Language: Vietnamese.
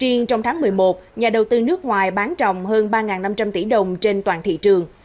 riêng trong tháng một mươi một nhà đầu tư nước ngoài bán rồng hơn ba năm trăm linh tỷ đồng trên toàn thị trường